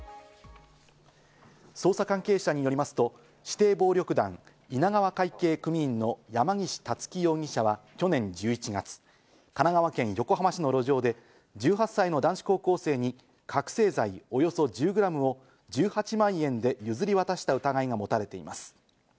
捜査関係者によりますと、指定暴力団・稲川会系組員の山岸竜貴容疑者は去年１１月、神奈川県横浜市の路上で、１８歳の男子高校生に覚醒剤およそ１０グラムを１８万円で譲り渡した疑いが持たれています。